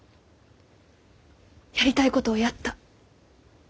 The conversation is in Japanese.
やりたいことをやった。